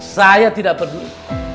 saya tidak peduli